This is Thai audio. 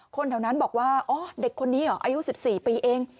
คนแถวนั้นบอกว่าอ๋อเด็กคนนี้เหรออายุ๑๔ปีเอง